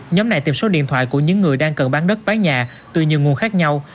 nhóm này tìm số điện thoại của những người đang cần bán đất bán nhà từ nhiều nguồn khác nhau